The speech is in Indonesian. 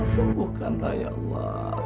sembuhkanlah ya allah